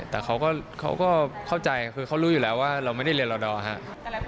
แต่เขาก็เข้าใจคือเขารู้อยู่แล้วว่าเราไม่ได้เรียนรอดอร์ครับ